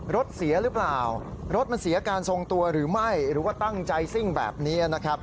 รถเสียหรือเปล่ารถมันเสียการทรงตัวหรือไม่หรือว่าตั้งใจซิ่งแบบนี้นะครับ